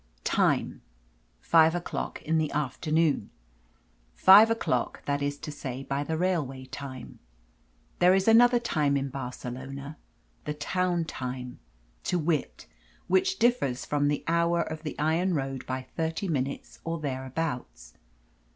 Time: Five o'clock in the afternoon. Five o'clock, that is to say, by the railway time. There is another time in Barcelona the town time, to wit which differs from the hour of the iron road by thirty minutes or thereabouts.